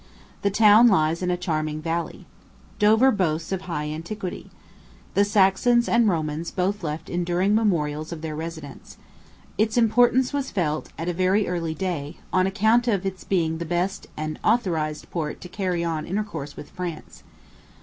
The town lies in a charming valley. Dover boasts of high antiquity. The Saxons and Romans both left enduring memorials of their residence. Its importance was felt at a very early day, on account of its being the best and authorized port to carry on intercourse with France.